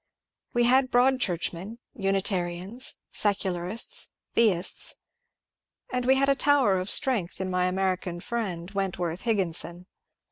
We had Broadchurch men. Unitarians, Secularists, Theists ; and we had a tower of strength in my American friend, Wentworth Higginson.